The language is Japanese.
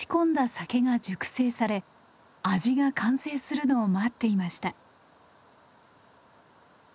酒が熟成され味が完成するのを待っていました。